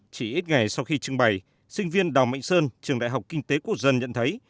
chỉ ít ngày sau khi trưng bày sinh viên đào mạnh sơn trường đại học kinh tế quốc dân nhận thấy